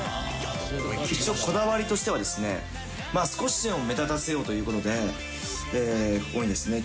一応こだわりとしてはですね少しでも目立たせようという事でここにですね